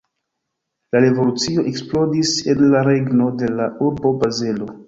La revolucio eksplodis en la regno de la urbo Bazelo.